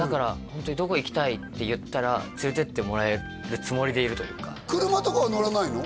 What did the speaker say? ホントにどこ行きたいって言ったら連れていってもらえるつもりでいるというか車とかは乗らないの？